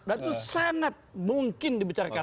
dan itu sangat mungkin dibicarakan